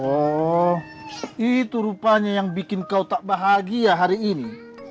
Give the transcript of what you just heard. oh itu rupanya yang bikin kau tak bahagia hari ini